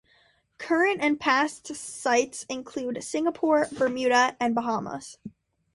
Current and past sites include Singapore, Bermuda, and the Bahamas.